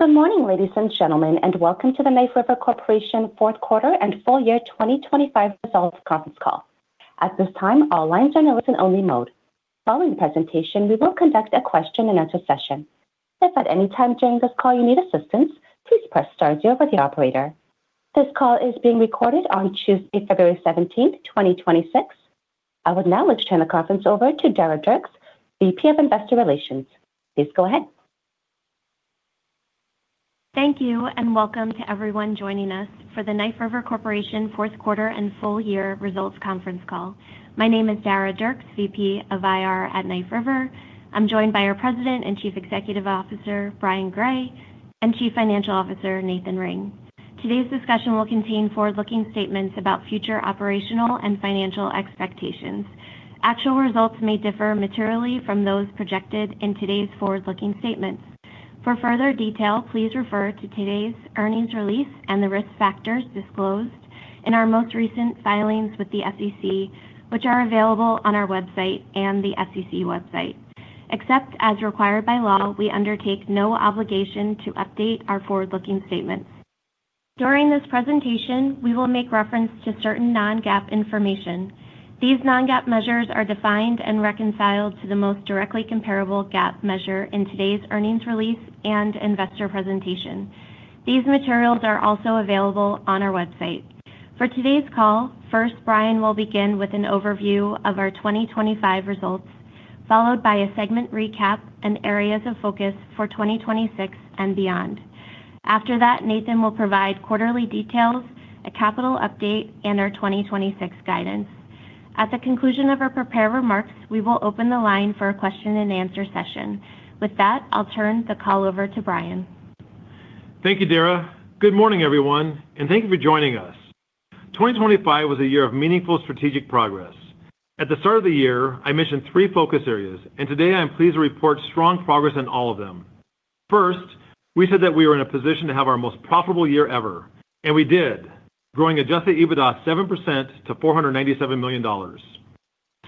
Good morning, ladies and gentlemen, and welcome to the Knife River Corporation fourth quarter and full year 2025 results conference call. At this time, all lines are in listen-only mode. Following the presentation, we will conduct a question-and-answer session. If at any time during this call you need assistance, please press star zero for the operator. This call is being recorded on Tuesday, February 17th, 2026. I would now like to turn the conference over to Dara Dierks, VP of Investor Relations. Please go ahead. Thank you, and welcome to everyone joining us for the Knife River Corporation fourth quarter and full year results conference call. My name is Dara Dierks, VP of IR at Knife River. I'm joined by our President and Chief Executive Officer, Brian Gray, and Chief Financial Officer, Nathan Ring. Today's discussion will contain forward-looking statements about future operational and financial expectations. Actual results may differ materially from those projected in today's forward-looking statements. For further detail, please refer to today's earnings release and the risk factors disclosed in our most recent filings with the SEC, which are available on our website and the SEC website. Except as required by law, we undertake no obligation to update our forward-looking statements. During this presentation, we will make reference to certain non-GAAP information. These non-GAAP measures are defined and reconciled to the most directly comparable GAAP measure in today's earnings release and investor presentation. These materials are also available on our website. For today's call, first, Brian will begin with an overview of our 2025 results, followed by a segment recap and areas of focus for 2026 and beyond. After that, Nathan will provide quarterly details, a capital update, and our 2026 guidance. At the conclusion of our prepared remarks, we will open the line for a question-and-answer session. With that, I'll turn the call over to Brian. Thank you, Dara. Good morning, everyone, and thank you for joining us. 2025 was a year of meaningful strategic progress. At the start of the year, I mentioned three focus areas, and today I am pleased to report strong progress on all of them. First, we said that we were in a position to have our most profitable year ever, and we did, growing Adjusted EBITDA 7% to $497 million.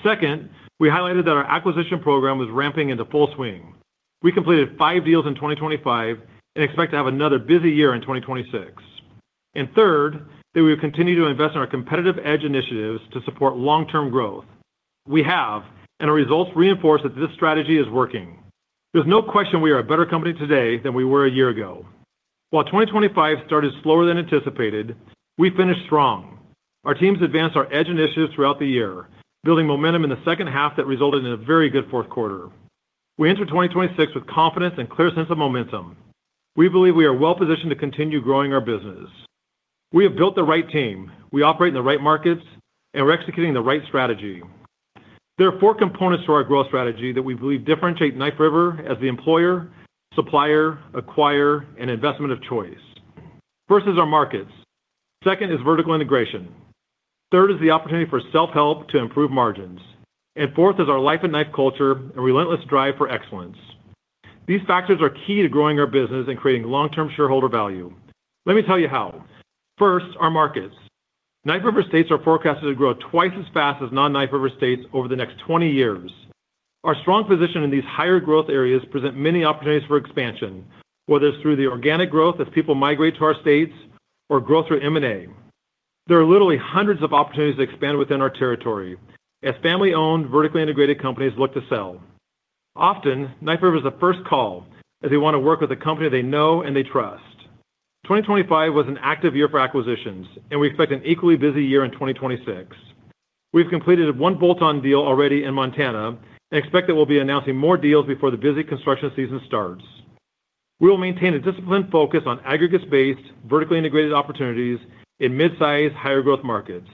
Second, we highlighted that our acquisition program was ramping into full swing. We completed five deals in 2025 and expect to have another busy year in 2026. Third, that we would continue to invest in our Competitive EDGE initiatives to support long-term growth. We have, and our results reinforce that this strategy is working. There's no question we are a better company today than we were a year ago. While 2025 started slower than anticipated, we finished strong. Our teams advanced our EDGE initiatives throughout the year, building momentum in the second half that resulted in a very good fourth quarter. We enter 2026 with confidence and clear sense of momentum. We believe we are well positioned to continue growing our business. We have built the right team, we operate in the right markets, and we're executing the right strategy. There are four components to our growth strategy that we believe differentiate Knife River as the employer, supplier, acquirer, and investment of choice. First is our markets. Second is vertical integration. Third is the opportunity for self-help to improve margins. And fourth is our Life at Knife culture and relentless drive for excellence. These factors are key to growing our business and creating long-term shareholder value. Let me tell you how. First, our markets. Knife River states are forecasted to grow twice as fast as non-Knife River states over the next 20 years. Our strong position in these higher growth areas present many opportunities for expansion, whether it's through the organic growth as people migrate to our states or growth through M&A. There are literally hundreds of opportunities to expand within our territory as family-owned, vertically integrated companies look to sell. Often, Knife River is the first call, as they want to work with a company they know and they trust. 2025 was an active year for acquisitions, and we expect an equally busy year in 2026. We've completed one bolt-on deal already in Montana and expect that we'll be announcing more deals before the busy construction season starts. We will maintain a disciplined focus on aggregates-based, vertically integrated opportunities in mid-sized, higher growth markets.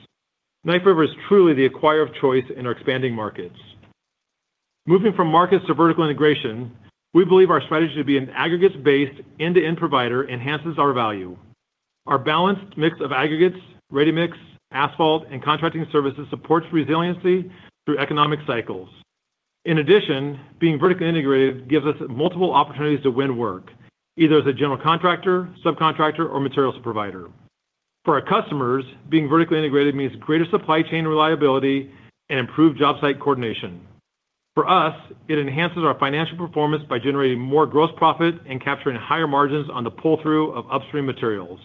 Knife River is truly the acquirer of choice in our expanding markets. Moving from markets to vertical integration, we believe our strategy to be an aggregates-based, end-to-end provider enhances our value. Our balanced mix of aggregates, ready-mix, asphalt, and contracting services supports resiliency through economic cycles. In addition, being vertically integrated gives us multiple opportunities to win work, either as a general contractor, subcontractor, or materials provider. For our customers, being vertically integrated means greater supply chain reliability and improved job site coordination. For us, it enhances our financial performance by generating more gross profit and capturing higher margins on the pull-through of upstream materials.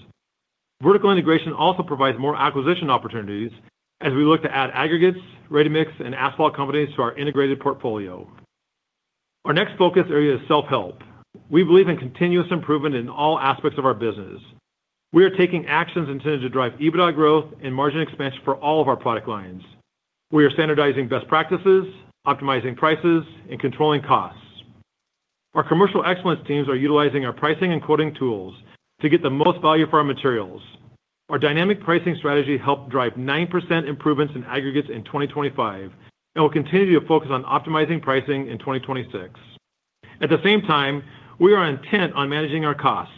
Vertical integration also provides more acquisition opportunities as we look to add aggregates, ready-mix, and asphalt companies to our integrated portfolio. Our next focus area is self-help. We believe in continuous improvement in all aspects of our business. We are taking actions intended to drive EBITDA growth and margin expansion for all of our product lines. We are standardizing best practices, optimizing prices, and controlling costs. Our commercial excellence teams are utilizing our pricing and quoting tools to get the most value for our materials. Our dynamic pricing strategy helped drive 9% improvements in aggregates in 2025, and we'll continue to focus on optimizing pricing in 2026. At the same time, we are intent on managing our costs.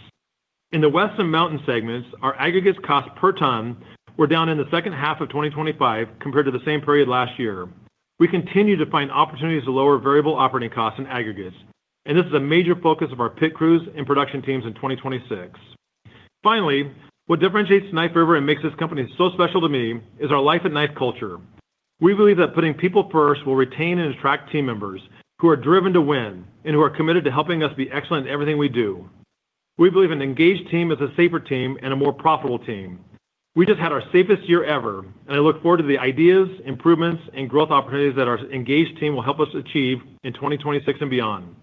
In the West and Mountain segments, our aggregates cost per ton were down in the second half of 2025 compared to the same period last year. We continue to find opportunities to lower variable operating costs in aggregates, and this is a major focus of our Pit Crews and production teams in 2026. Finally, what differentiates Knife River and makes this company so special to me is our Life at Knife culture. We believe that putting people first will retain and attract team members who are driven to win, and who are committed to helping us be excellent in everything we do. We believe an engaged team is a safer team and a more profitable team. We just had our safest year ever, and I look forward to the ideas, improvements, and growth opportunities that our engaged team will help us achieve in 2026 and beyond.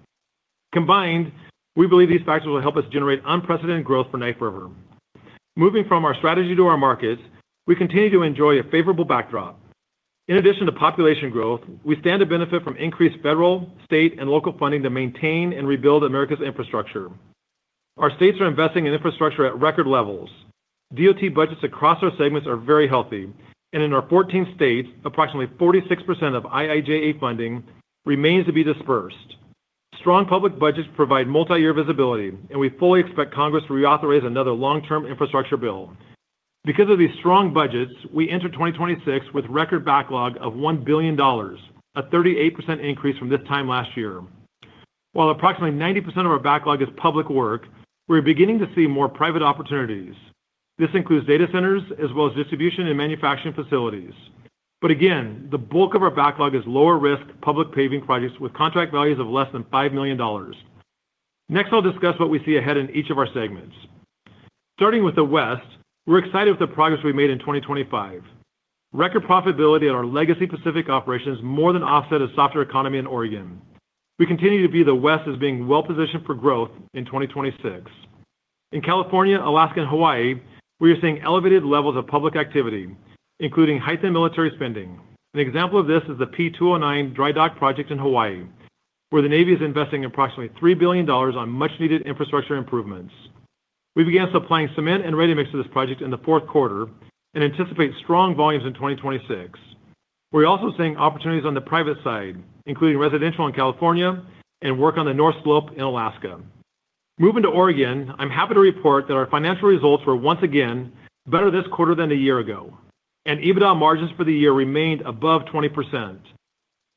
Combined, we believe these factors will help us generate unprecedented growth for Knife River. Moving from our strategy to our markets, we continue to enjoy a favorable backdrop. In addition to population growth, we stand to benefit from increased federal, state, and local funding to maintain and rebuild America's infrastructure. Our states are investing in infrastructure at record levels. DOT budgets across our segments are very healthy, and in our 14 states, approximately 46% of IIJA funding remains to be disbursed. Strong public budgets provide multiyear visibility, and we fully expect Congress to reauthorize another long-term infrastructure bill. Because of these strong budgets, we enter 2026 with record backlog of $1 billion, a 38% increase from this time last year. While approximately 90% of our backlog is public work, we're beginning to see more private opportunities. This includes data centers as well as distribution and manufacturing facilities. But again, the bulk of our backlog is lower risk, public paving projects with contract values of less than $5 million. Next, I'll discuss what we see ahead in each of our segments. Starting with the West, we're excited with the progress we made in 2025. Record profitability at our legacy Pacific operations more than offset a softer economy in Oregon. We continue to view the West as being well-positioned for growth in 2026. In California, Alaska, and Hawaii, we are seeing elevated levels of public activity, including heightened military spending. An example of this is the P-209 dry dock project in Hawaii, where the Navy is investing approximately $3 billion on much needed infrastructure improvements. We began supplying cement and ready-mix to this project in the fourth quarter and anticipate strong volumes in 2026. We're also seeing opportunities on the private side, including residential in California and work on the North Slope in Alaska. Moving to Oregon, I'm happy to report that our financial results were once again better this quarter than a year ago, and EBITDA margins for the year remained above 20%.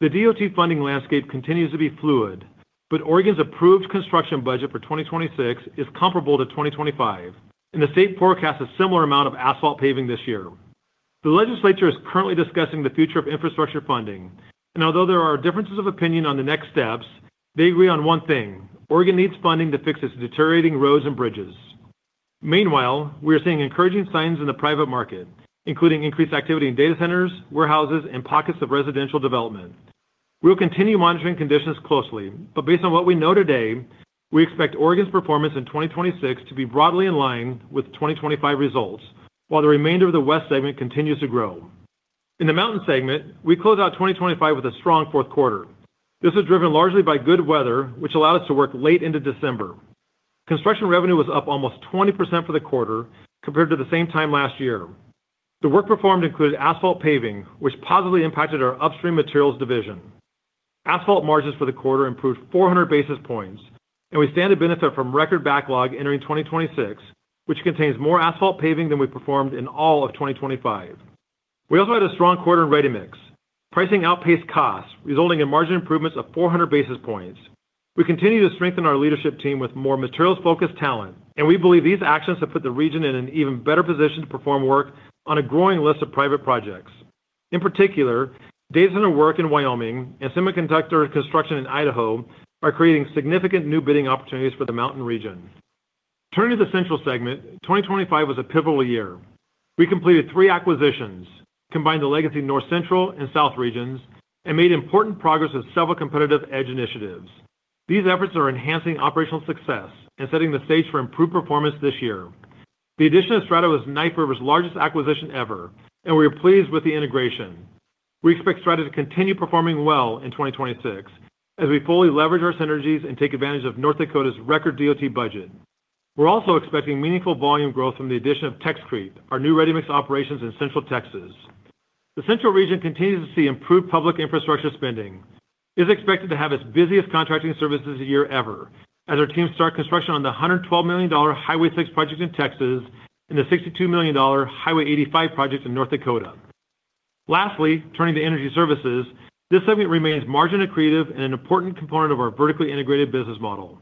The DOT funding landscape continues to be fluid, but Oregon's approved construction budget for 2026 is comparable to 2025, and the state forecasts a similar amount of asphalt paving this year. The legislature is currently discussing the future of infrastructure funding, and although there are differences of opinion on the next steps, they agree on one thing: Oregon needs funding to fix its deteriorating roads and bridges. Meanwhile, we are seeing encouraging signs in the private market, including increased activity in data centers, warehouses, and pockets of residential development. We'll continue monitoring conditions closely, but based on what we know today, we expect Oregon's performance in 2026 to be broadly in line with the 2025 results, while the remainder of the West segment continues to grow. In the Mountain segment, we closed out 2025 with a strong fourth quarter. This was driven largely by good weather, which allowed us to work late into December. Construction revenue was up almost 20% for the quarter compared to the same time last year. The work performed included asphalt paving, which positively impacted our upstream materials division. Asphalt margins for the quarter improved 400 basis points, and we stand to benefit from record backlog entering 2026, which contains more asphalt paving than we performed in all of 2025. We also had a strong quarter in ready-mix. Pricing outpaced costs, resulting in margin improvements of 400 basis points. We continue to strengthen our leadership team with more materials-focused talent, and we believe these actions have put the region in an even better position to perform work on a growing list of private projects. In particular, data center work in Wyoming and semiconductor construction in Idaho are creating significant new bidding opportunities for the Mountain region. Turning to the Central segment, 2025 was a pivotal year. We completed three acquisitions, combined the legacy North Central and South regions, and made important progress with several Competitive EDGE initiatives. These efforts are enhancing operational success and setting the stage for improved performance this year. The addition of Strata was Knife River's largest acquisition ever, and we are pleased with the integration. We expect Strata to continue performing well in 2026 as we fully leverage our synergies and take advantage of North Dakota's record DOT budget. We're also expecting meaningful volume growth from the addition of TexCrete, our new ready-mix operations in Central Texas. The Central region continues to see improved public infrastructure spending. It's expected to have its busiest contracting services year ever, as our teams start construction on the $112 million Highway 6 project in Texas and the $62 million Highway 85 project in North Dakota. Lastly, turning to Energy Services, this segment remains margin accretive and an important component of our vertically integrated business model.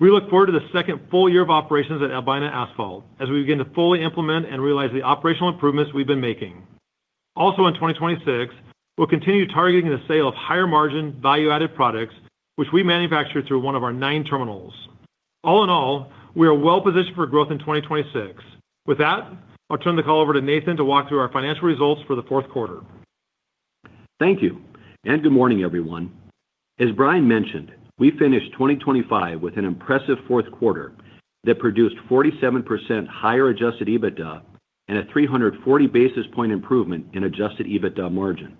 We look forward to the second full year of operations at Albina Asphalt as we begin to fully implement and realize the operational improvements we've been making. Also in 2026, we'll continue targeting the sale of higher margin, value-added products, which we manufacture through one of our nine terminals. All in all, we are well positioned for growth in 2026. With that, I'll turn the call over to Nathan to walk through our financial results for the fourth quarter. Thank you, and good morning, everyone. As Brian mentioned, we finished 2025 with an impressive fourth quarter that produced 47% higher Adjusted EBITDA and a 340 basis point improvement in Adjusted EBITDA margin.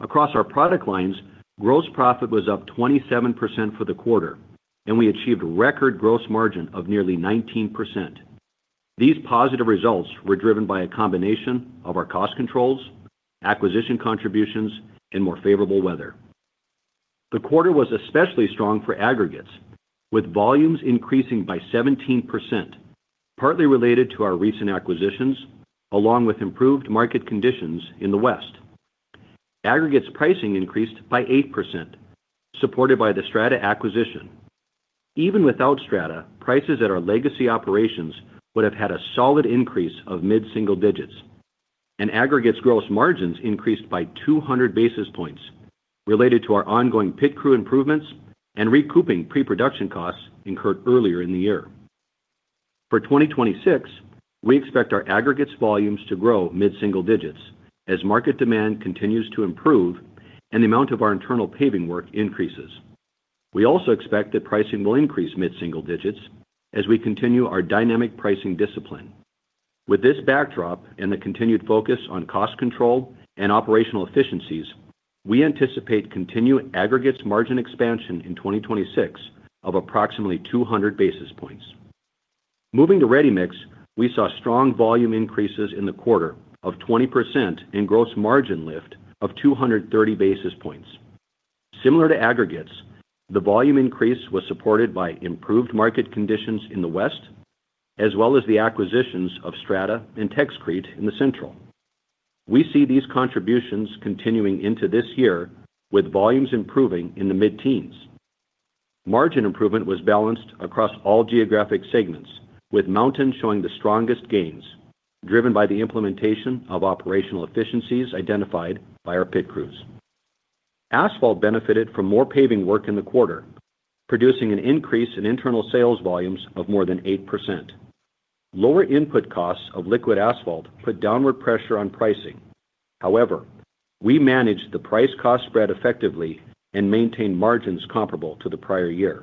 Across our product lines, gross profit was up 27% for the quarter, and we achieved record gross margin of nearly 19%. These positive results were driven by a combination of our cost controls, acquisition contributions, and more favorable weather. The quarter was especially strong for aggregates, with volumes increasing by 17%, partly related to our recent acquisitions, along with improved market conditions in the West. Aggregates pricing increased by 8%, supported by the Strata acquisition. Even without Strata, prices at our legacy operations would have had a solid increase of mid-single digits, and aggregates gross margins increased by 200 basis points related to our ongoing Pit Crew improvements and recouping pre-production costs incurred earlier in the year. For 2026, we expect our aggregates volumes to grow mid-single digits as market demand continues to improve and the amount of our internal paving work increases. We also expect that pricing will increase mid-single digits as we continue our dynamic pricing discipline. With this backdrop and the continued focus on cost control and operational efficiencies, we anticipate continued aggregates margin expansion in 2026 of approximately 200 basis points. Moving to ready-mix, we saw strong volume increases in the quarter of 20% and gross margin lift of 230 basis points. Similar to aggregates, the volume increase was supported by improved market conditions in the West, as well as the acquisitions of Strata and TexCrete in the Central. We see these contributions continuing into this year, with volumes improving in the mid-teens. Margin improvement was balanced across all geographic segments, with Mountain showing the strongest gains, driven by the implementation of operational efficiencies identified by our Pit Crews. Asphalt benefited from more paving work in the quarter, producing an increase in internal sales volumes of more than 8%. Lower input costs of liquid asphalt put downward pressure on pricing. However, we managed the price cost spread effectively and maintained margins comparable to the prior year.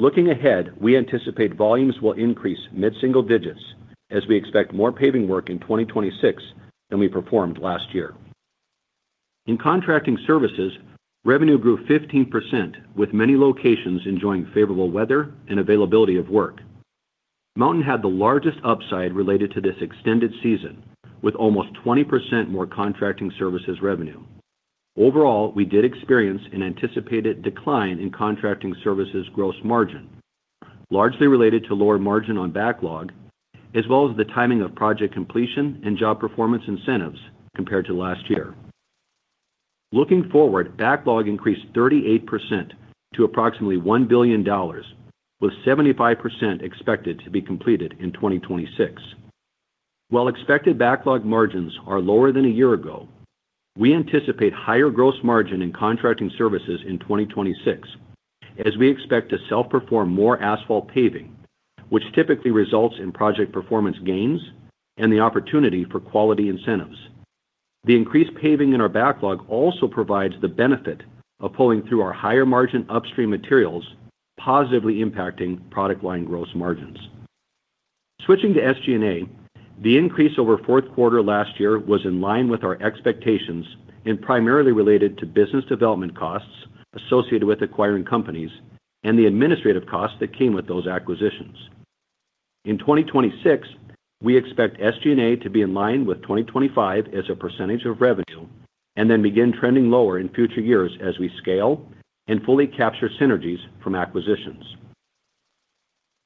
Looking ahead, we anticipate volumes will increase mid-single digits as we expect more paving work in 2026 than we performed last year. In contracting services, revenue grew 15%, with many locations enjoying favorable weather and availability of work. Mountain had the largest upside related to this extended season, with almost 20% more contracting services revenue. Overall, we did experience an anticipated decline in contracting services gross margin, largely related to lower margin on backlog, as well as the timing of project completion and job performance incentives compared to last year. Looking forward, backlog increased 38% to approximately $1 billion, with 75% expected to be completed in 2026. While expected backlog margins are lower than a year ago, we anticipate higher gross margin in contracting services in 2026, as we expect to self-perform more asphalt paving, which typically results in project performance gains and the opportunity for quality incentives. The increased paving in our backlog also provides the benefit of pulling through our higher-margin upstream materials, positively impacting product line gross margins. Switching to SG&A, the increase over fourth quarter last year was in line with our expectations and primarily related to business development costs associated with acquiring companies and the administrative costs that came with those acquisitions. In 2026, we expect SG&A to be in line with 2025 as a percentage of revenue, and then begin trending lower in future years as we scale and fully capture synergies from acquisitions.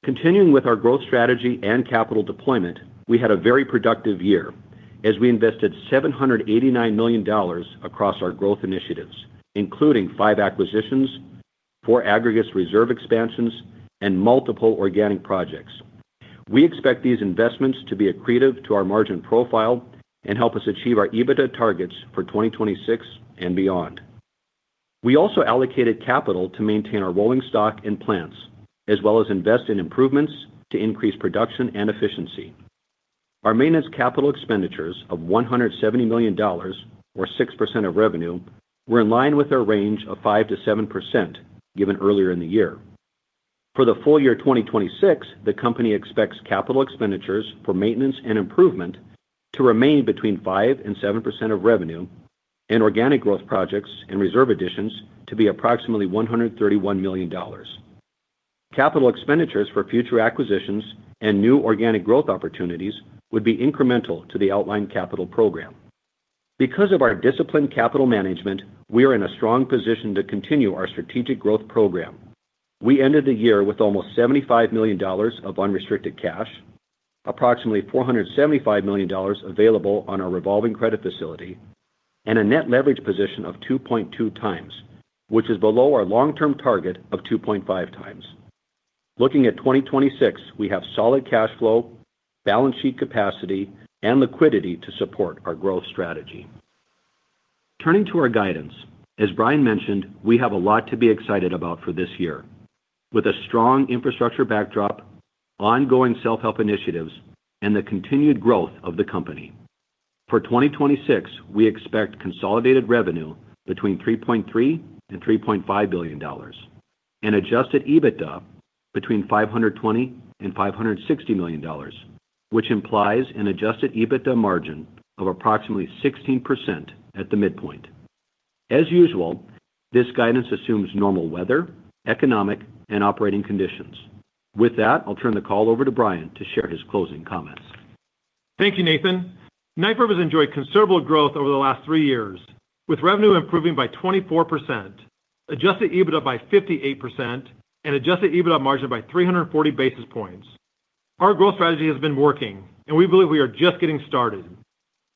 Continuing with our growth strategy and capital deployment, we had a very productive year as we invested $789 million across our growth initiatives, including five acquisitions, four aggregates reserve expansions, and multiple organic projects. We expect these investments to be accretive to our margin profile and help us achieve our EBITDA targets for 2026 and beyond. We also allocated capital to maintain our rolling stock and plants, as well as invest in improvements to increase production and efficiency. Our maintenance capital expenditures of $170 million, or 6% of revenue, were in line with our range of 5%-7% given earlier in the year. For the full year 2026, the company expects capital expenditures for maintenance and improvement to remain between 5% and 7% of revenue, and organic growth projects and reserve additions to be approximately $131 million. Capital expenditures for future acquisitions and new organic growth opportunities would be incremental to the outlined capital program. Because of our disciplined capital management, we are in a strong position to continue our strategic growth program. We ended the year with almost $75 million of unrestricted cash, approximately $475 million available on our revolving credit facility, and a net leverage position of 2.2x, which is below our long-term target of 2.5x. Looking at 2026, we have solid cash flow, balance sheet capacity, and liquidity to support our growth strategy. Turning to our guidance, as Brian mentioned, we have a lot to be excited about for this year. With a strong infrastructure backdrop, ongoing self-help initiatives, and the continued growth of the company. For 2026, we expect consolidated revenue between $3.3 billion and $3.5 billion and Adjusted EBITDA between $520 million and $560 million, which implies an Adjusted EBITDA margin of approximately 16% at the midpoint. As usual, this guidance assumes normal weather, economic, and operating conditions. With that, I'll turn the call over to Brian to share his closing comments. Thank you, Nathan. Knife River has enjoyed considerable growth over the last three years, with revenue improving by 24%, Adjusted EBITDA by 58%, and Adjusted EBITDA margin by 340 basis points. ...Our growth strategy has been working, and we believe we are just getting started.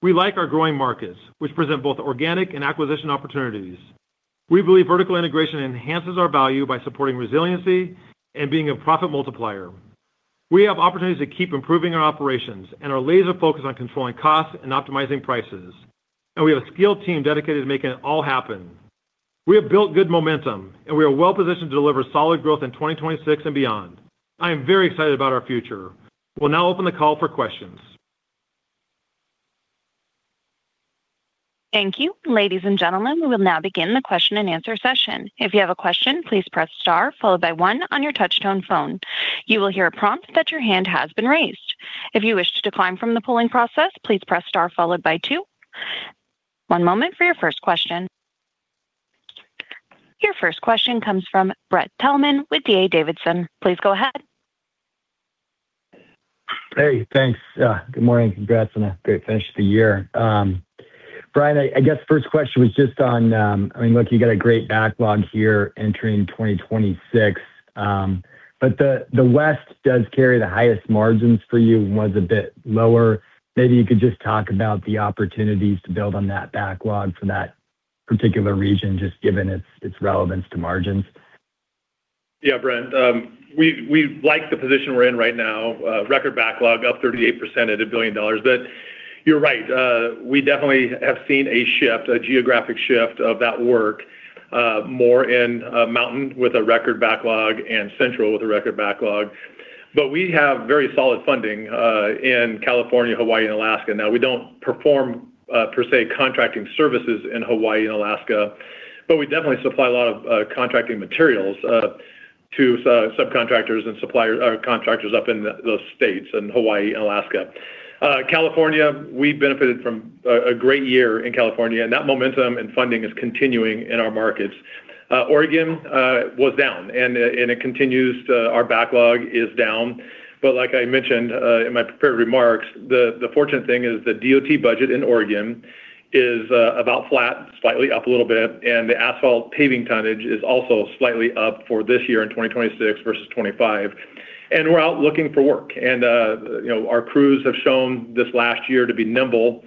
We like our growing markets, which present both organic and acquisition opportunities. We believe vertical integration enhances our value by supporting resiliency and being a profit multiplier. We have opportunities to keep improving our operations and are laser-focused on controlling costs and optimizing prices, and we have a skilled team dedicated to making it all happen. We have built good momentum, and we are well positioned to deliver solid growth in 2026 and beyond. I am very excited about our future. We'll now open the call for questions. Thank you. Ladies and gentlemen, we will now begin the question-and-answer session. If you have a question, please press star followed by one on your touchtone phone. You will hear a prompt that your hand has been raised. If you wish to decline from the polling process, please press star followed by two. One moment for your first question. Your first question comes from Brent Thielman with D.A. Davidson. Please go ahead. Hey, thanks. Good morning. Congrats on a great finish to the year. Brian, I guess first question was just on, I mean, look, you got a great backlog here entering 2026, but the West does carry the highest margins for you and was a bit lower. Maybe you could just talk about the opportunities to build on that backlog for that particular region, just given its relevance to margins. Yeah, Brent, we like the position we're in right now. Record backlog, up 38% at $1 billion. But you're right, we definitely have seen a shift, a geographic shift of that work, more in Mountain with a record backlog and Central with a record backlog. But we have very solid funding in California, Hawaii, and Alaska. Now, we don't perform per se, contracting services in Hawaii and Alaska, but we definitely supply a lot of contracting materials to subcontractors or contractors up in those states, in Hawaii and Alaska. California, we benefited from a great year in California, and that momentum and funding is continuing in our markets. Oregon was down, and it continues. Our backlog is down. But like I mentioned in my prepared remarks, the fortunate thing is the DOT budget in Oregon is about flat, slightly up a little bit, and the asphalt paving tonnage is also slightly up for this year in 2026 versus 2025. And we're out looking for work. And you know, our crews have shown this last year to be nimble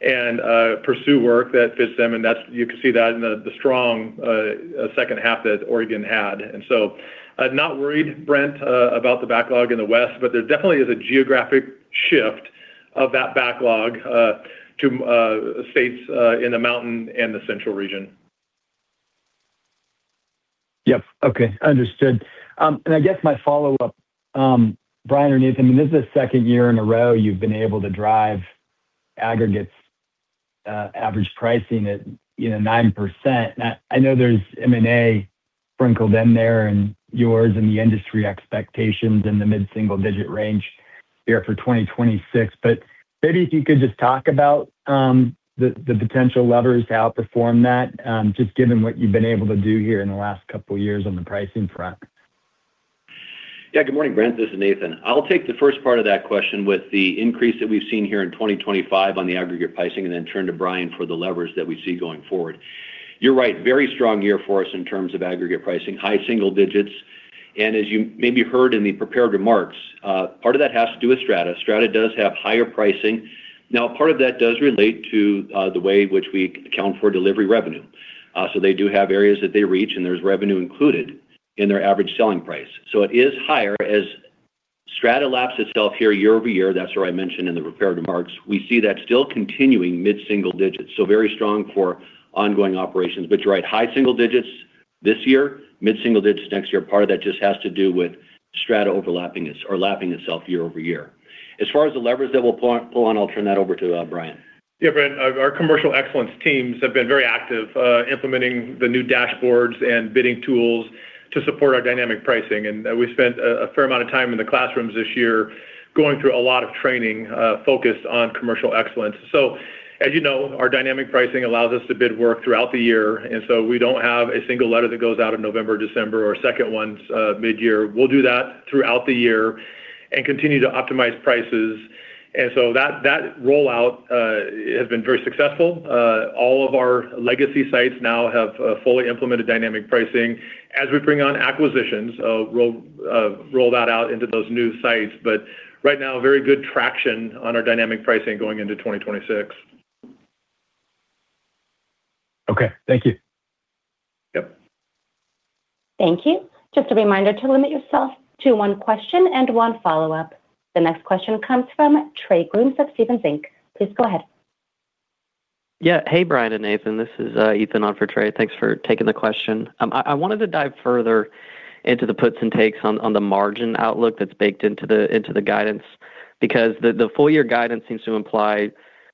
and pursue work that fits them, and that's you can see that in the strong second half that Oregon had. And so, not worried, Brent, about the backlog in the West, but there definitely is a geographic shift of that backlog to states in the Mountain and the Central region. Yep. Okay, understood. And I guess my follow-up, Brian or Nathan, I mean, this is the second year in a row you've been able to drive aggregates, average pricing at, you know, 9%. Now, I know there's M&A sprinkled in there and yours and the industry expectations in the mid-single-digit range here for 2026. But maybe if you could just talk about, the potential levers to outperform that, just given what you've been able to do here in the last couple of years on the pricing front. Yeah, good morning, Brent. This is Nathan. I'll take the first part of that question with the increase that we've seen here in 2025 on the aggregate pricing, and then turn to Brian for the levers that we see going forward. You're right, very strong year for us in terms of aggregate pricing, high single digits. As you maybe heard in the prepared remarks, part of that has to do with Strata. Strata does have higher pricing. Now, part of that does relate to the way in which we account for delivery revenue. So they do have areas that they reach, and there's revenue included in their average selling price. So it is higher as Strata laps itself here year-over-year. That's where I mentioned in the prepared remarks, we see that still continuing mid-single digits, so very strong for ongoing operations. But you're right, high single digits this year, mid-single digits next year. Part of that just has to do with Strata overlapping its or lapping itself year over year. As far as the levers that we'll pull on, I'll turn that over to Brian. Yeah, Brent, our commercial excellence teams have been very active, implementing the new dashboards and bidding tools to support our dynamic pricing. And, we spent a fair amount of time in the classrooms this year going through a lot of training, focused on commercial excellence. So, as you know, our dynamic pricing allows us to bid work throughout the year, and so we don't have a single letter that goes out in November, December, or second one's mid-year. We'll do that throughout the year and continue to optimize prices. And so that rollout has been very successful. All of our legacy sites now have fully implemented dynamic pricing. As we bring on acquisitions, we'll roll that out into those new sites. But right now, very good traction on our dynamic pricing going into 2026. Okay. Thank you. Yep. Thank you. Just a reminder to limit yourself to one question and one follow-up. The next question comes from Trey Grooms of Stephens Inc. Please go ahead. Yeah. Hey, Brian and Nathan. This is Ethan on for Trey. Thanks for taking the question. I wanted to dive further into the puts and takes on the margin outlook that's baked into the guidance, because the full year guidance seems to imply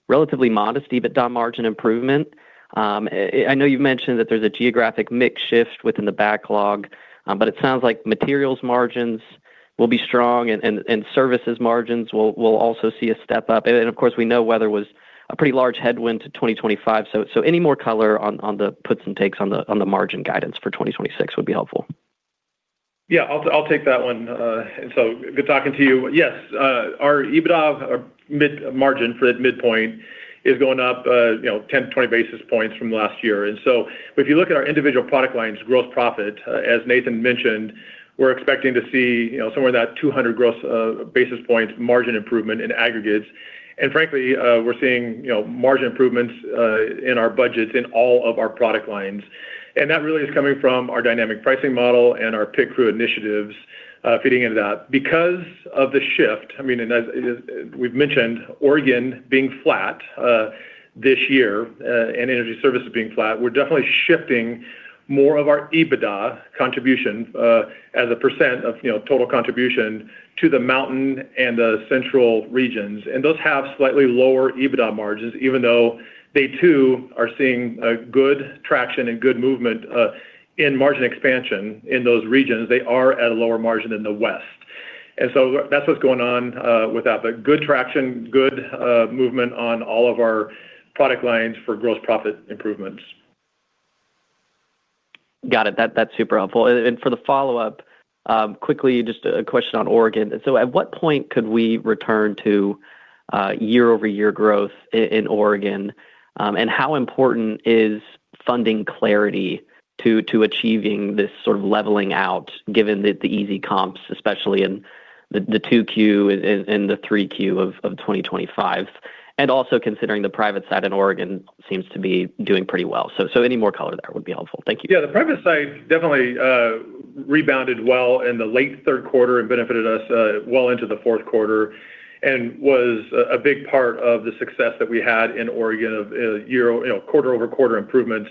relatively modest margin improvement. I know you've mentioned that there's a geographic mix shift within the backlog, but it sounds like materials margins will be strong and services margins will also see a step up. Of course, we know weather was a pretty large headwind to 2025. Any more color on the puts and takes on the margin guidance for 2026 would be helpful. Yeah, I'll take that one. And so good talking to you. Yes, our EBITDA or midpoint margin for the midpoint is going up, you know, 10-20 basis points from last year. And so if you look at our individual product lines, gross profit, as Nathan mentioned, we're expecting to see, you know, somewhere in that 200 gross basis points margin improvement in aggregates. And frankly, we're seeing, you know, margin improvements in our budgets in all of our product lines. And that really is coming from our dynamic pricing model and our Pit Crew initiatives, feeding into that. Because of the shift, I mean, and as we've mentioned, Oregon being flat this year and Energy Services being flat, we're definitely shifting more of our EBITDA contribution as a percent of, you know, total contribution to the mountain and the central regions. And those have slightly lower EBITDA margins, even though they too are seeing good traction and good movement in margin expansion in those regions. They are at a lower margin in the West. And so that's what's going on with that. But good traction, good movement on all of our product lines for gross profit improvements. Got it. That's super helpful. And for the follow-up, quickly, just a question on Oregon. So at what point could we return to year-over-year growth in Oregon? And how important is funding clarity to achieving this sort of leveling out, given that the easy comps, especially in the 2Q and 3Q of 2025, and also considering the private side in Oregon seems to be doing pretty well. So any more color there would be helpful. Thank you. Yeah, the private side definitely rebounded well in the late third quarter and benefited us well into the fourth quarter, and was a big part of the success that we had in Oregon of year, you know, quarter-over-quarter improvements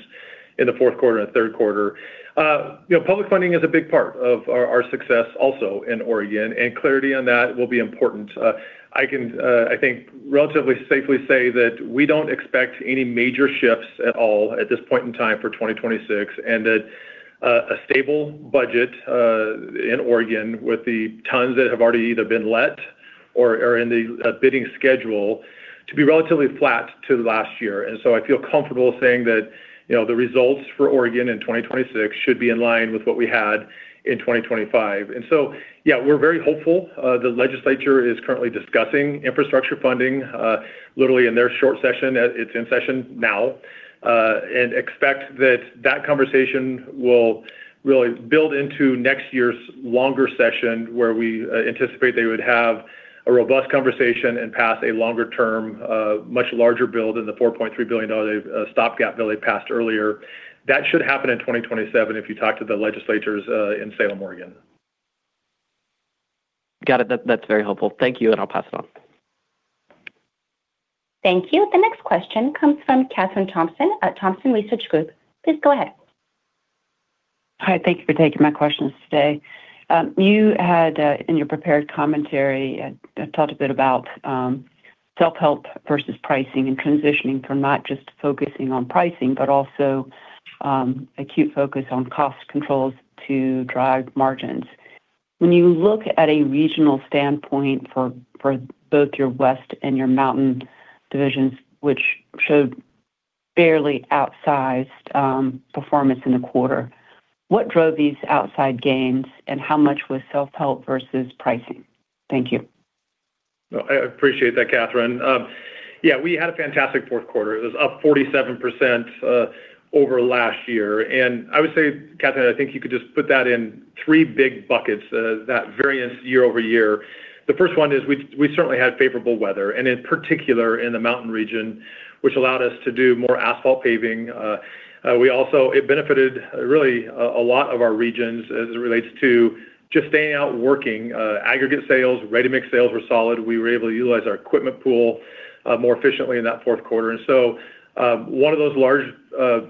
in the fourth quarter and third quarter. You know, public funding is a big part of our success also in Oregon, and clarity on that will be important. I can, I think, relatively safely say that we don't expect any major shifts at all at this point in time for 2026, and that a stable budget in Oregon with the tons that have already either been let or are in the bidding schedule to be relatively flat to last year. I feel comfortable saying that, you know, the results for Oregon in 2026 should be in line with what we had in 2025. Yeah, we're very hopeful. The legislature is currently discussing infrastructure funding, literally in their short session. It's in session now, and expect that that conversation will really build into next year's longer session, where we anticipate they would have a robust conversation and pass a longer-term, much larger bill than the $4.3 billion stopgap bill they passed earlier. That should happen in 2027 if you talk to the legislators in Salem, Oregon. Got it. That, that's very helpful. Thank you, and I'll pass it on. Thank you. The next question comes from Kathryn Thompson at Thompson Research Group. Please go ahead. Hi, thank you for taking my questions today. You had, in your prepared commentary, talked a bit about, self-help versus pricing and transitioning from not just focusing on pricing, but also, acute focus on cost controls to drive margins. When you look at a regional standpoint for both your West and your Mountain divisions, which showed barely outsized, performance in the quarter, what drove these outsized gains, and how much was self-help versus pricing? Thank you. I appreciate that, Kathryn. Yeah, we had a fantastic fourth quarter. It was up 47% over last year. And I would say, Kathryn, I think you could just put that in three big buckets that variance year-over-year. The first one is we certainly had favorable weather, and in particular in the mountain region, which allowed us to do more asphalt paving. We also. It benefited really a lot of our regions as it relates to just staying out working. Aggregate sales, ready-mix sales were solid. We were able to utilize our equipment pool more efficiently in that fourth quarter. And so, one of those large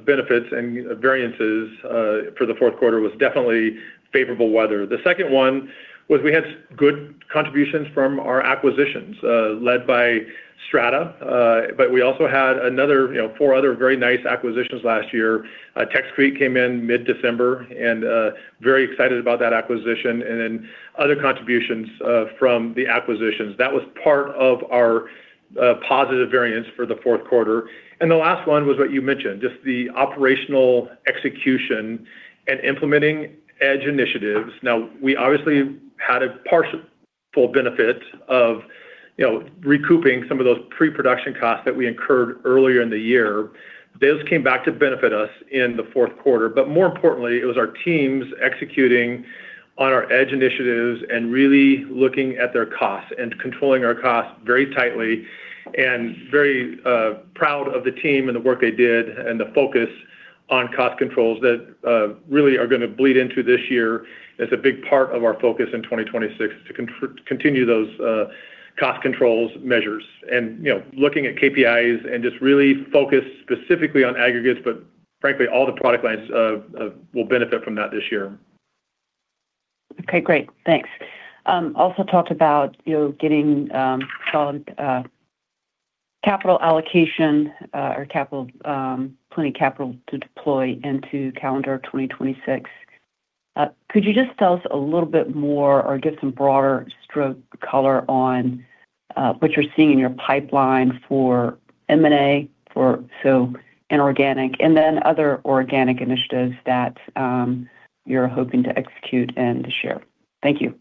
benefits and variances for the fourth quarter was definitely favorable weather. The second one was we had good contributions from our acquisitions, led by Strata, but we also had another, you know, four other very nice acquisitions last year. TexCrete came in mid-December, and very excited about that acquisition, and then other contributions from the acquisitions. That was part of our positive variance for the fourth quarter. And the last one was what you mentioned, just the operational execution and implementing EDGE initiatives. Now, we obviously had a partial benefit of, you know, recouping some of those pre-production costs that we incurred earlier in the year. Those came back to benefit us in the fourth quarter, but more importantly, it was our teams executing on our EDGE initiatives and really looking at their costs and controlling our costs very tightly. Very proud of the team and the work they did, and the focus on cost controls that really are gonna bleed into this year as a big part of our focus in 2026, to continue those cost controls measures. You know, looking at KPIs and just really focus specifically on aggregates, but frankly, all the product lines will benefit from that this year. Okay, great. Thanks. Also talked about, you know, getting solid capital allocation, or capital, plenty of capital to deploy into calendar 2026. Could you just tell us a little bit more or give some broader stroke color on what you're seeing in your pipeline for M&A, for so inorganic, and then other organic initiatives that you're hoping to execute in this year? Thank you....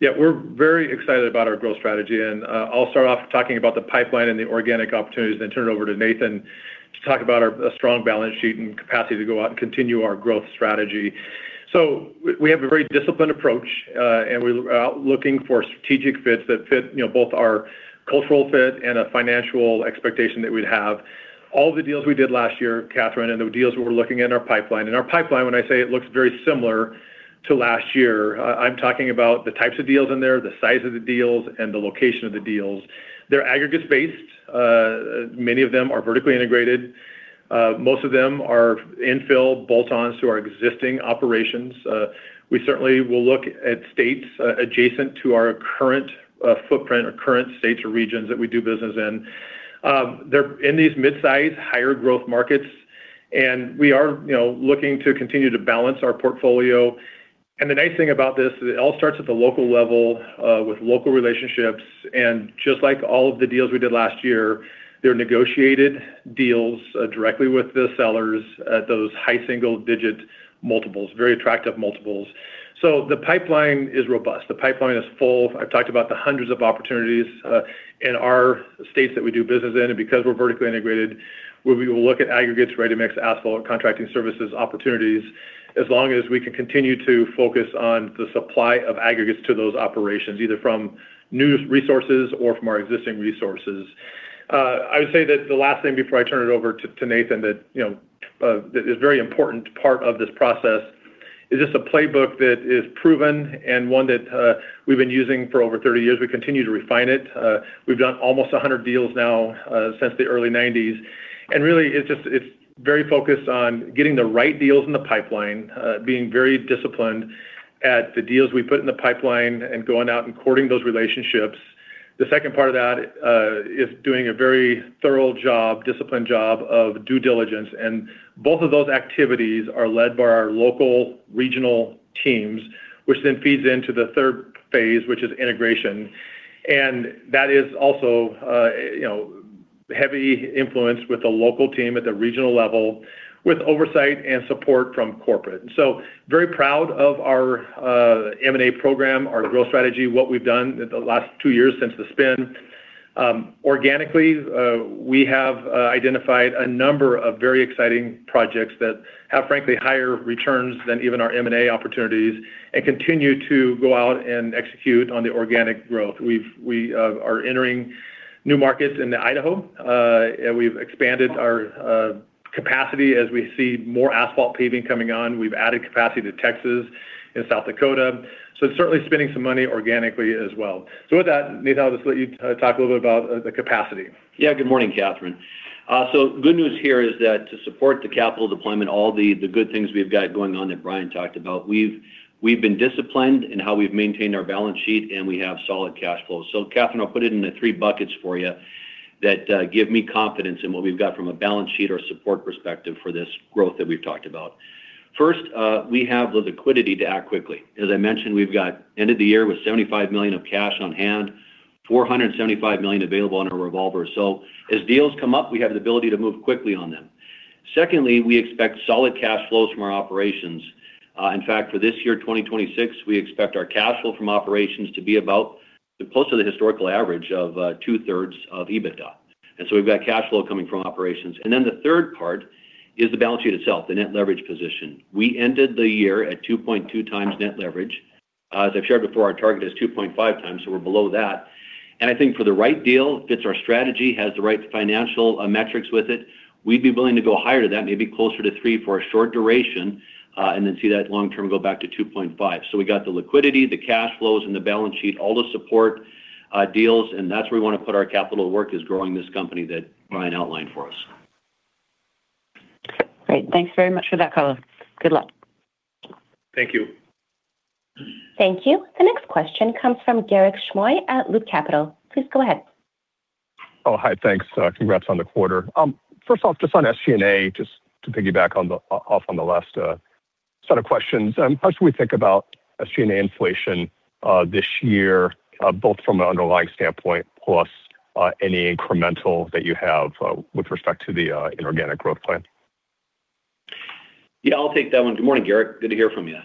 Yeah, we're very excited about our growth strategy, and I'll start off talking about the pipeline and the organic opportunities, then turn it over to Nathan to talk about our, a strong balance sheet and capacity to go out and continue our growth strategy. So we, we have a very disciplined approach, and we're looking for strategic fits that fit, you know, both our cultural fit and a financial expectation that we'd have. All the deals we did last year, Kathryn, and the deals we're looking at in our pipeline, and our pipeline, when I say it looks very similar to last year, I'm talking about the types of deals in there, the size of the deals, and the location of the deals. They're aggregates-based. Many of them are vertically integrated. Most of them are infill bolt-ons to our existing operations. We certainly will look at states adjacent to our current footprint or current states or regions that we do business in. They're in these mid-sized, higher growth markets, and we are, you know, looking to continue to balance our portfolio. And the nice thing about this is it all starts at the local level with local relationships, and just like all of the deals we did last year, they're negotiated deals directly with the sellers at those high single-digit multiples, very attractive multiples. So the pipeline is robust. The pipeline is full. I've talked about the hundreds of opportunities in our states that we do business in, and because we're vertically integrated, where we will look at aggregates, ready-mix asphalt, contracting services, opportunities, as long as we can continue to focus on the supply of aggregates to those operations, either from new resources or from our existing resources. I would say that the last thing before I turn it over to Nathan, that, you know, that is a very important part of this process, is just a playbook that is proven and one that we've been using for over 30 years. We continue to refine it. We've done almost 100 deals now, since the early 1990s, and really, it's just—it's very focused on getting the right deals in the pipeline, being very disciplined at the deals we put in the pipeline and going out and courting those relationships. The second part of that is doing a very thorough job, disciplined job of due diligence, and both of those activities are led by our local regional teams, which then feeds into the third phase, which is integration. And that is also, you know, heavy influence with the local team at the regional level, with oversight and support from corporate. So very proud of our M&A program, our growth strategy, what we've done in the last two years since the spin. Organically, we have identified a number of very exciting projects that have, frankly, higher returns than even our M&A opportunities and continue to go out and execute on the organic growth. We are entering new markets into Idaho, and we've expanded our capacity as we see more asphalt paving coming on. We've added capacity to Texas and South Dakota, so certainly spending some money organically as well. So with that, Nathan, I'll just let you talk a little bit about the capacity. Yeah. Good morning, Kathryn. So good news here is that to support the capital deployment, all the good things we've got going on that Brian talked about, we've been disciplined in how we've maintained our balance sheet, and we have solid cash flow. So Kathryn, I'll put it in the three buckets for you that give me confidence in what we've got from a balance sheet or support perspective for this growth that we've talked about. First, we have the liquidity to act quickly. As I mentioned, we've got end of the year with $75 million of cash on hand, $475 million available on our revolver. So as deals come up, we have the ability to move quickly on them. Secondly, we expect solid cash flows from our operations. In fact, for this year, 2026, we expect our cash flow from operations to be about close to the historical average of two-thirds of EBITDA. And so we've got cash flow coming from operations. And then the third part is the balance sheet itself, the net leverage position. We ended the year at 2.2x net leverage. As I've shared before, our target is 2.5x, so we're below that, and I think for the right deal, fits our strategy, has the right financial metrics with it, we'd be willing to go higher to that, maybe closer to 3 for a short duration, and then see that long term go back to 2.5. So we got the liquidity, the cash flows, and the balance sheet, all the support, deals, and that's where we want to put our capital to work, is growing this company that Brian outlined for us. Great. Thanks very much for that color. Good luck. Thank you. Thank you. The next question comes from Garik Shmois at Loop Capital. Please go ahead. Oh, hi. Thanks. Congrats on the quarter. First off, just on SG&A, just to piggyback off on the last set of questions, how should we think about SG&A inflation this year, both from an underlying standpoint, plus any incremental that you have with respect to the inorganic growth plan? Yeah, I'll take that one. Good morning, Garik. Good to hear from you.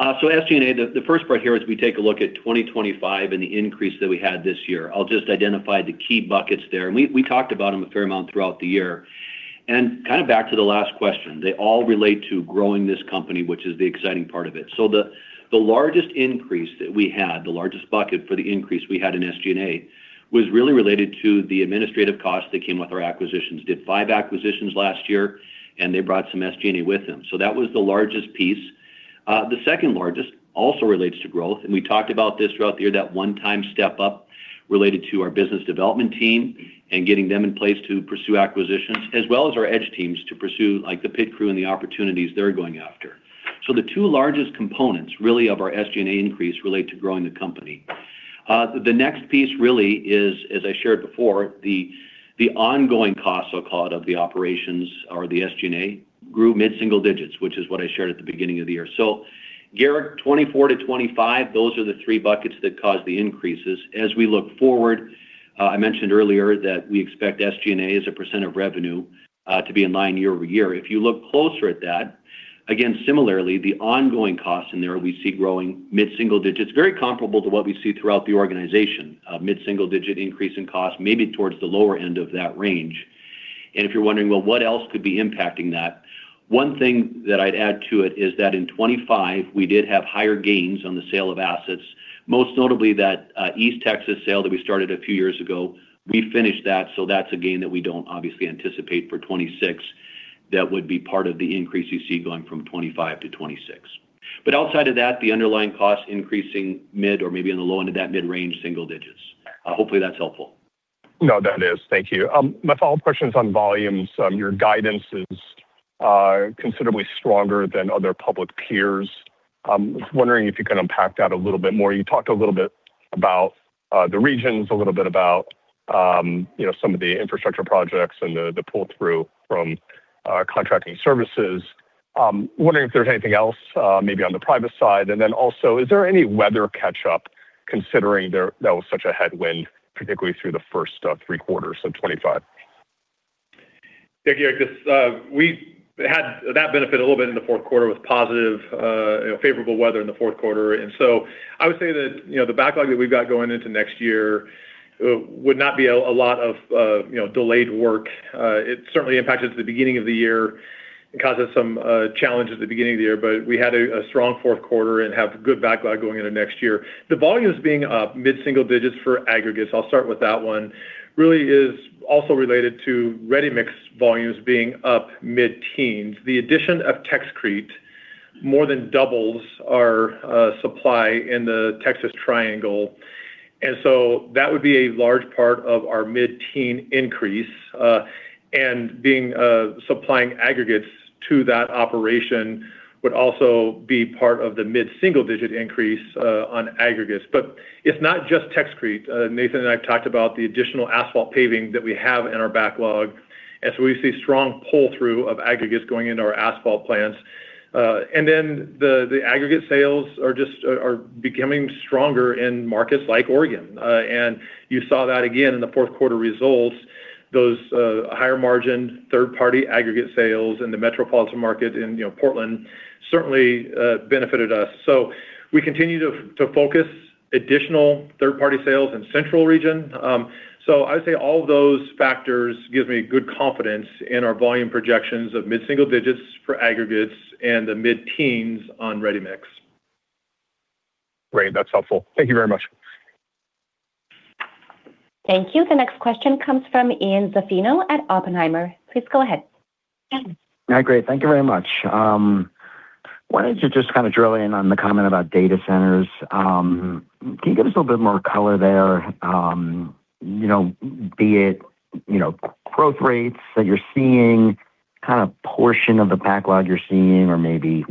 So SG&A, the first part here is we take a look at 2025 and the increase that we had this year. I'll just identify the key buckets there, and we talked about them a fair amount throughout the year. And kind of back to the last question, they all relate to growing this company, which is the exciting part of it. So the largest increase that we had, the largest bucket for the increase we had in SG&A, was really related to the administrative costs that came with our acquisitions. Did five acquisitions last year, and they brought some SG&A with them. So that was the largest piece. The second largest also relates to growth, and we talked about this throughout the year, that one-time step up related to our business development team and getting them in place to pursue acquisitions, as well as our EDGE teams to pursue, like, the Pit Crew and the opportunities they're going after. So the two largest components, really, of our SG&A increase relate to growing the company. The next piece really is, as I shared before, the ongoing cost, so-called, of the operations or the SG&A grew mid-single digits, which is what I shared at the beginning of the year. So Garik, 2024-2025, those are the three buckets that caused the increases. As we look forward, I mentioned earlier that we expect SG&A as a percent of revenue to be in line year-over-year. If you look closer at that- ... Again, similarly, the ongoing costs in there, we see growing mid-single digits, very comparable to what we see throughout the organization, mid-single digit increase in costs, maybe towards the lower end of that range. And if you're wondering, well, what else could be impacting that? One thing that I'd add to it is that in 2025, we did have higher gains on the sale of assets, most notably that, East Texas sale that we started a few years ago, we finished that, so that's a gain that we don't obviously anticipate for 2026. That would be part of the increase you see going from 2025 to 2026. But outside of that, the underlying cost increasing mid or maybe on the low end of that mid range, single digits. Hopefully, that's helpful. No, that is. Thank you. My follow-up question is on volumes. Your guidance is considerably stronger than other public peers. Was wondering if you can unpack that a little bit more. You talked a little bit about the regions, a little bit about, you know, some of the infrastructure projects and the pull-through from contracting services. Wondering if there's anything else, maybe on the private side. And then also, is there any weather catch-up, considering that was such a headwind, particularly through the first three quarters of 2025? Yeah, Georgios, we had that benefit a little bit in the fourth quarter with positive, you know, favorable weather in the fourth quarter. And so I would say that, you know, the backlog that we've got going into next year would not be a lot of, you know, delayed work. It certainly impacted at the beginning of the year and caused us some challenges at the beginning of the year, but we had a strong fourth quarter and have good backlog going into next year. The volumes being mid-single digits for aggregates, I'll start with that one, really is also related to ready-mix volumes being up mid-teens. The addition of TexCrete more than doubles our supply in the Texas Triangle, and so that would be a large part of our mid-teen increase, and being supplying aggregates to that operation would also be part of the mid-single digit increase on aggregates. But it's not just TexCrete. Nathan and I have talked about the additional asphalt paving that we have in our backlog, and so we see strong pull-through of aggregates going into our asphalt plants. And then the aggregate sales are just becoming stronger in markets like Oregon. And you saw that again in the fourth quarter results, those higher margin, third-party aggregate sales in the metropolitan market in, you know, Portland, certainly benefited us. So we continue to focus additional third-party sales in Central region. I'd say all of those factors gives me good confidence in our volume projections of mid-single digits for aggregates and the mid-teens on ready-mix. Great, that's helpful. Thank you very much. Thank you. The next question comes from Ian Zaffino at Oppenheimer. Please go ahead, Ian. Hi, great. Thank you very much. Wanted to just kind of drill in on the comment about data centers. Can you give us a little bit more color there, you know, be it, you know, growth rates that you're seeing, kind of portion of the backlog you're seeing, or maybe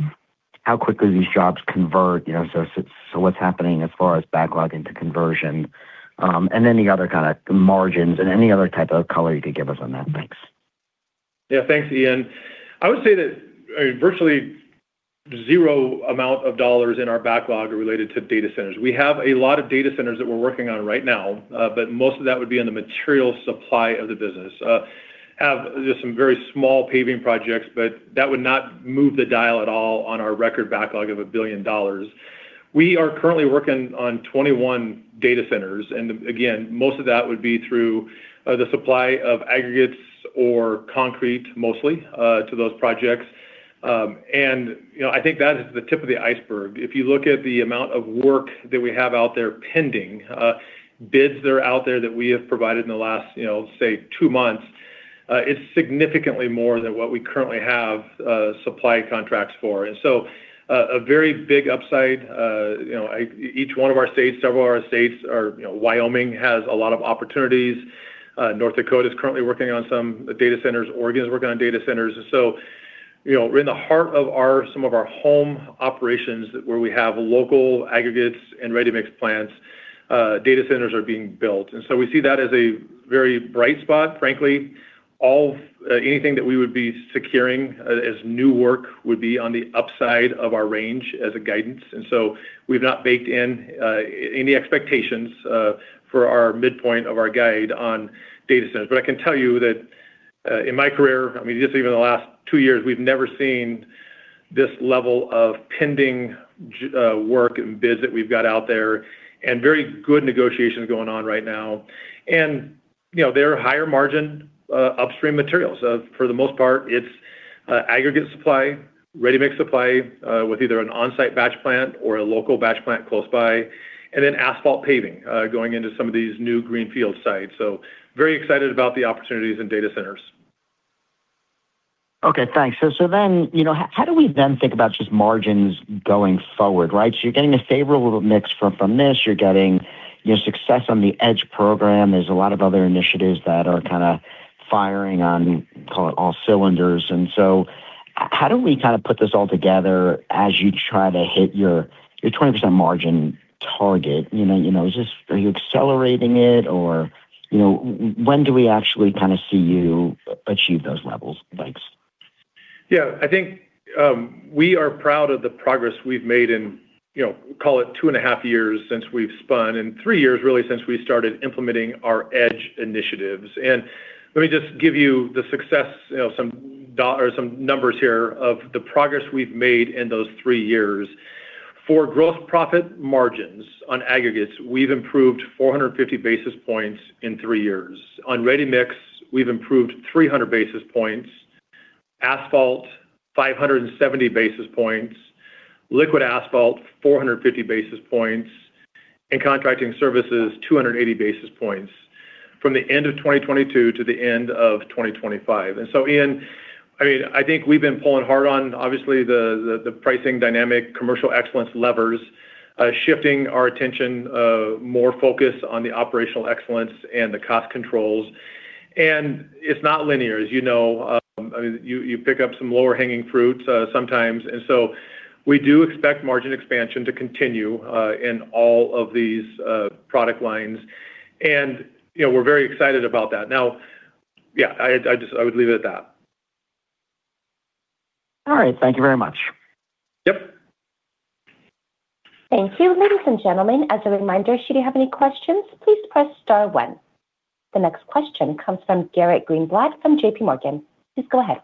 how quickly these jobs convert, you know, so, so what's happening as far as backlog into conversion, and any other kind of margins and any other type of color you could give us on that? Thanks. Yeah. Thanks, Ian. I would say that, virtually zero amount of dollars in our backlog are related to data centers. We have a lot of data centers that we're working on right now, but most of that would be in the material supply of the business. Have just some very small paving projects, but that would not move the dial at all on our record backlog of $1 billion. We are currently working on 21 data centers, and again, most of that would be through the supply of aggregates or concrete, mostly, to those projects. You know, I think that is the tip of the iceberg. If you look at the amount of work that we have out there pending, bids that are out there that we have provided in the last, you know, say, two months, it's significantly more than what we currently have, supply contracts for. And so, a very big upside, you know, each one of our states, several of our states are you know, Wyoming has a lot of opportunities. North Dakota is currently working on some data centers. Oregon is working on data centers. So you know, we're in the heart of our some of our home operations where we have local aggregates and ready-mix plants, data centers are being built. And so we see that as a very bright spot. Frankly, all anything that we would be securing as new work would be on the upside of our range as a guidance. And so we've not baked in any expectations for our midpoint of our guide on data centers. But I can tell you that in my career, I mean, just even the last two years, we've never seen this level of pending work and bids that we've got out there, and very good negotiations going on right now. And, you know, they're higher margin upstream materials. For the most part, it's aggregate supply, ready-mix supply with either an on-site batch plant or a local batch plant close by, and then asphalt paving going into some of these new greenfield sites. So very excited about the opportunities in data centers. Okay, thanks. So then, you know, how do we then think about just margins going forward, right? So you're getting a favorable mix from this. You're getting your success on the EDGE program. There's a lot of other initiatives that are kind of firing on, call it, all cylinders. And so how do we kind of put this all together as you try to hit your 20% margin target? You know, is this, are you accelerating it, or, you know, when do we actually kind of see you achieve those levels? Thanks. Yeah, I think, we are proud of the progress we've made, you know, call it 2.5 years since we've spun, and three years really since we started implementing our EDGE initiatives. Let me just give you the success, you know, some numbers here of the progress we've made in those three years. For gross profit margins on aggregates, we've improved 450 basis points in three years. On ready-mix, we've improved 300 basis points. Asphalt, 570 basis points. Liquid asphalt, 450 basis points, and contracting services, 280 basis points from the end of 2022 to the end of 2025. And so, Ian, I mean, I think we've been pulling hard on, obviously, the pricing dynamic, commercial excellence levers, shifting our attention, more focused on the operational excellence and the cost controls. And it's not linear, as you know, I mean, you pick up some lower-hanging fruits, sometimes. And so we do expect margin expansion to continue, in all of these, product lines and, you know, we're very excited about that. Now, yeah, I just—I would leave it at that. All right. Thank you very much. Yep. Thank you. Ladies and gentlemen, as a reminder, should you have any questions, please press star one. The next question comes from Garrett Greenblatt from JPMorgan. Please go ahead.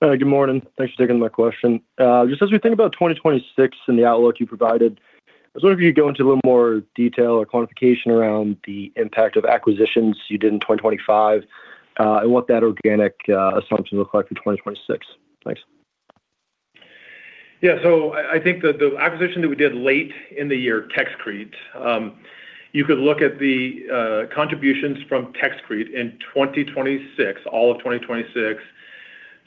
Good morning. Thanks for taking my question. Just as we think about 2026 and the outlook you provided, I was wondering if you could go into a little more detail or quantification around the impact of acquisitions you did in 2025, and what that organic assumption look like for 2026. Thanks. Yeah. So I think that the acquisition that we did late in the year, TexCrete, you could look at the contributions from TexCrete in 2026, all of 2026,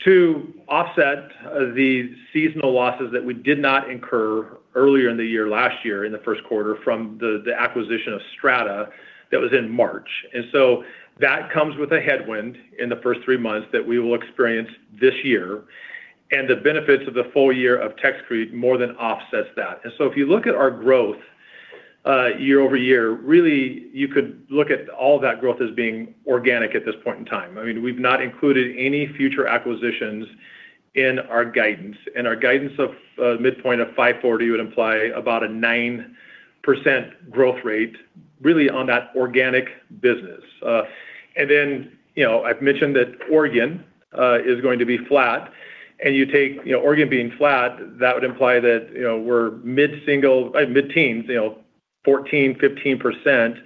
to offset the seasonal losses that we did not incur earlier in the year, last year, in the first quarter from the acquisition of Strata that was in March. And so that comes with a headwind in the first three months that we will experience this year, and the benefits of the full year of TexCrete more than offsets that. And so if you look at our growth year-over-year, really, you could look at all that growth as being organic at this point in time. I mean, we've not included any future acquisitions in our guidance, and our guidance of, midpoint of $540 would imply about a 9% growth rate, really, on that organic business. And then, you know, I've mentioned that Oregon is going to be flat, and you take, you know, Oregon being flat, that would imply that, you know, we're mid-single, mid-teens, you know, 14-15%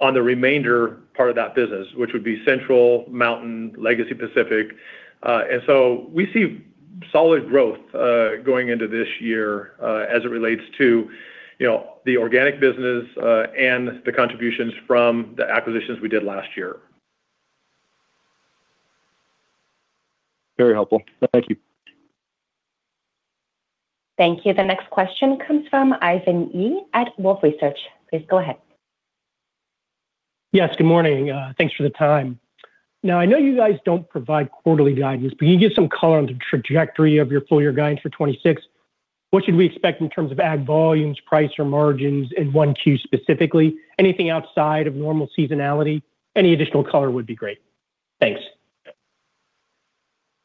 on the remainder part of that business, which would be Central, Mountain, legacy Pacific. And so we see solid growth, going into this year, as it relates to, you know, the organic business, and the contributions from the acquisitions we did last year. Very helpful. Thank you. Thank you. The next question comes from Ivan Yi at Wolfe Research. Please go ahead. Yes, good morning. Thanks for the time. Now, I know you guys don't provide quarterly guidance, but can you give some color on the trajectory of your full year guidance for 2026? What should we expect in terms of agg volumes, price, or margins in 1Q, specifically? Anything outside of normal seasonality? Any additional color would be great. Thanks.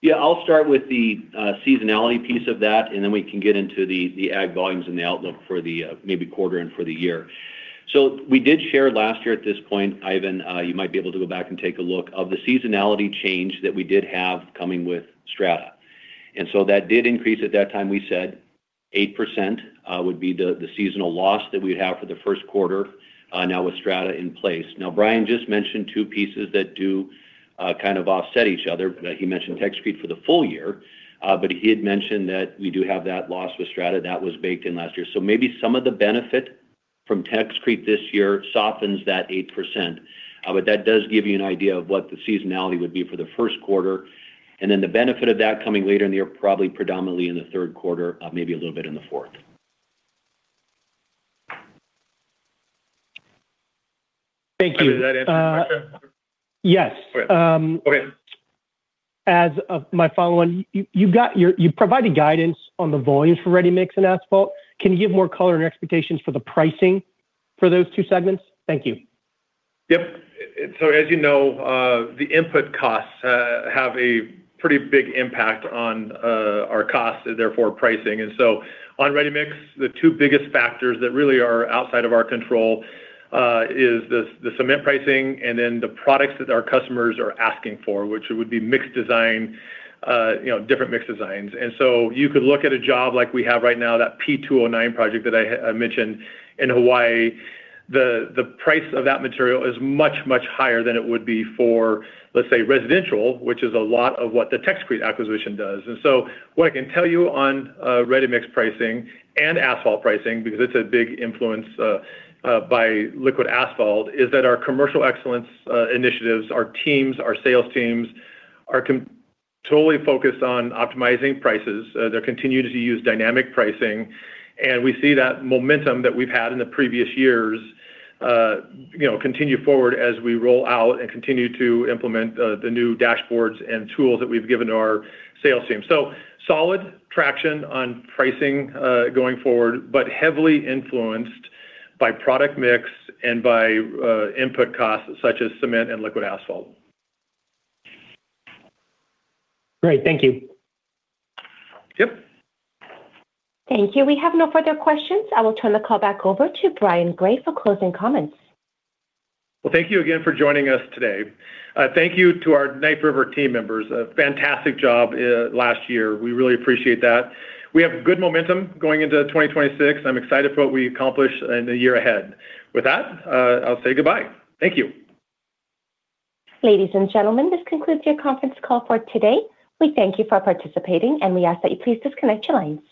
Yeah, I'll start with the seasonality piece of that, and then we can get into the agg volumes and the outlook for the maybe quarter and for the year. So we did share last year at this point, Ivan, you might be able to go back and take a look, of the seasonality change that we did have coming with Strata. And so that did increase at that time, we said 8%, would be the seasonal loss that we'd have for the first quarter, now with Strata in place. Now, Brian just mentioned two pieces that do kind of offset each other. He mentioned TexCrete for the full year, but he had mentioned that we do have that loss with Strata. That was baked in last year. So maybe some of the benefit from TexCrete this year softens that 8%. But that does give you an idea of what the seasonality would be for the first quarter, and then the benefit of that coming later in the year, probably predominantly in the third quarter, maybe a little bit in the fourth. Thank you. Did that answer your question? Yes. Okay. Okay. As of my follow-on, you've provided guidance on the volumes for ready-mix and asphalt. Can you give more color and expectations for the pricing for those two segments? Thank you. Yep. So as you know, the input costs have a pretty big impact on our costs, therefore pricing. And so on ready-mix, the two biggest factors that really are outside of our control is the cement pricing and then the products that our customers are asking for, which would be mix design, you know, different mix designs. And so you could look at a job like we have right now, that P-209 project that I mentioned in Hawaii. The price of that material is much, much higher than it would be for, let's say, residential, which is a lot of what the TexCrete acquisition does. And so what I can tell you on ready-mix pricing and asphalt pricing, because it's a big influence by liquid asphalt, is that our commercial excellence initiatives, our teams, our sales teams, are totally focused on optimizing prices. They're continuing to use dynamic pricing, and we see that momentum that we've had in the previous years, you know, continue forward as we roll out and continue to implement the new dashboards and tools that we've given to our sales team. So solid traction on pricing going forward, but heavily influenced by product mix and by input costs such as cement and liquid asphalt. Great. Thank you. Yep. Thank you. We have no further questions. I will turn the call back over to Brian Gray for closing comments. Well, thank you again for joining us today. Thank you to our Knife River team members. A fantastic job last year. We really appreciate that. We have good momentum going into 2026. I'm excited for what we accomplish in the year ahead. With that, I'll say goodbye. Thank you. Ladies and gentlemen, this concludes your conference call for today. We thank you for participating, and we ask that you please disconnect your lines.